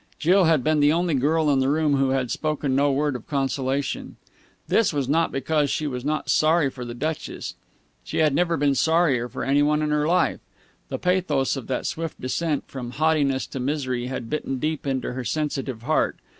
Jill had been the only girl in the room who had spoken no word of consolation. This was not because she was not sorry for the Duchess. She had never been sorrier for any one in her life. The pathos of that swift descent from haughtiness to misery had bitten deep into her sensitive heart.